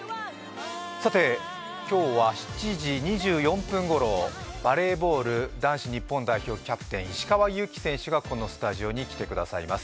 さて今日は７時２４分ごろ、バレーボール男子日本代表キャプテン、石川祐希選手がこのスタジオに来てくださいます。